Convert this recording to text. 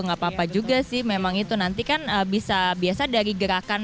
nggak apa apa juga sih memang itu nanti kan bisa biasa dari gerakan